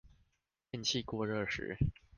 電器過熱時